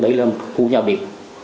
đấy là một khu nhà bếp